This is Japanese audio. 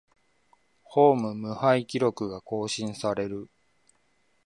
ホーム無敗記録が更新される